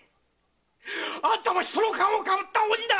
あんたは人の皮をかぶった鬼だ‼